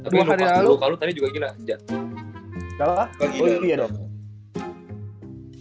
luka lu tadi juga gila jat